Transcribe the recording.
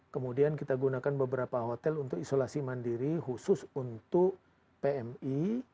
kemudian kita gunakan beberapa hotel untuk isolasi mandiri khusus untuk pmi